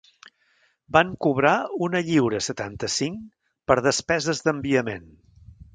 Van cobrar una lliura setanta-cinc per despeses d'enviament...